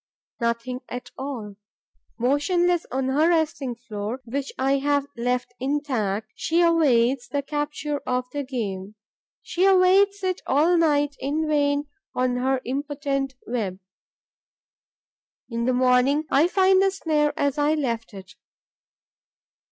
Nothing at all. Motionless on her resting floor, which I have left intact, she awaits the capture of the game; she awaits it all night in vain on her impotent web. In the morning, I find the snare as I left it.